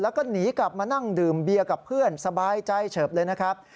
แล้วก็หนีกลับมานั่งดื่มเบียร์กับเพื่อนสบายใจเฉิบเลยนะครับ